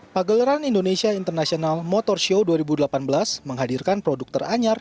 pagelaran indonesia international motor show dua ribu delapan belas menghadirkan produk teranyar